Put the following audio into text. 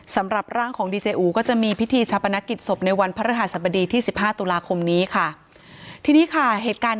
สำหรับร่างของดีเจอูก็จะมีพิธีชาปนกิจศพในวันพระฤหัสบดีที่สิบห้าตุลาคมนี้ค่ะทีนี้ค่ะเหตุการณ์